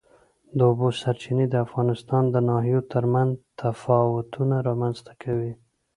د اوبو سرچینې د افغانستان د ناحیو ترمنځ تفاوتونه رامنځ ته کوي.